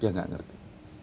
dia gak ngerti